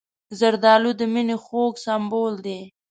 زردالو د مینې خوږ سمبول دی.